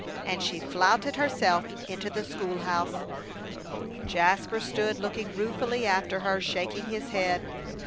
And she flouted herself into the school house. Jasper stood looking ruefully after her, shaking his head.